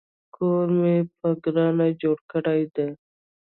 کور مې په ګرانه جوړ کړی دی